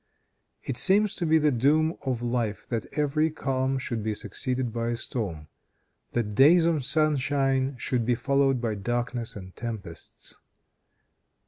It seems to be the doom of life that every calm should be succeeded by a storm; that days of sunshine should be followed by darkness and tempests.